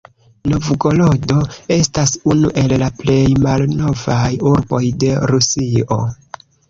Novgorodo estas unu el la plej malnovaj urboj de Rusio.